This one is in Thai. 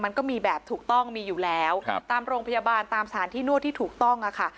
มันก็มีแบบถูกต้องมีอยู่แล้วตามโรงพยาบาลตามสถานที่นวดที่ถูกต้องค่ะ